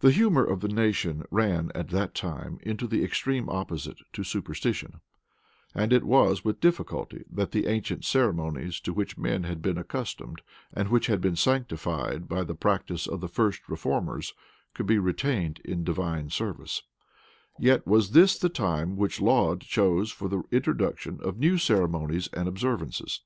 The humor of the nation ran at that time into the extreme opposite to superstition; and it was with difficulty that the ancient ceremonies to which men had been accustomed, and which had been sanctified by the practice of the first reformers, could be retained in divine service: yet was this the time which Laud chose for the introduction of new ceremonies and observances.